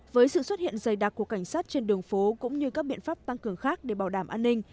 với sự xuất hiện dày đặc của cảnh sát trên đường phố cũng như các biện pháp tăng cường khác để bảo đảm an ninh